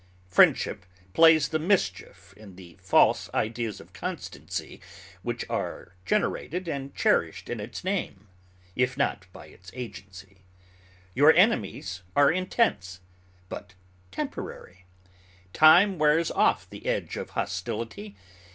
Friendship plays the mischief in the false ideas of constancy which are generated and cherished in its name, if not by its agency. Your enemies are intense, but temporary. Time wears off the edge of hostility.